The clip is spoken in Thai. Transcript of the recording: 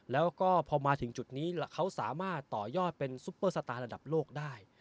แล้วก็พอมาถึงจุดนี้เขาสามารถต่อยอดเป็นซุปเปอร์สตาร์ระดับโลกได้